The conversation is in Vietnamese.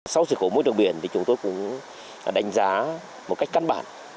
sau sự cố môi trường biển thì chúng tôi cũng đánh giá một cách căn bản